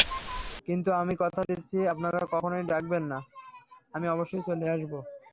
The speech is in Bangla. কিন্তু আমি কথা দিচ্ছি, আপনারা যখনই ডাকবেন, আমি অবশ্যই চলে আসব।